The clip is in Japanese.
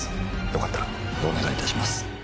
よかったらお願いいたします